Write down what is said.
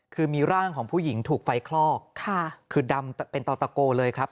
คือมีร่างของผู้หญิงถูกไฟคลอกค่ะคือดำเป็นต่อตะโกเลยครับ